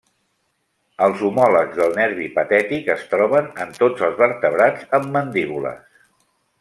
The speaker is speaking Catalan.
Els homòlegs del nervi patètic es troben en tots els vertebrats amb mandíbules.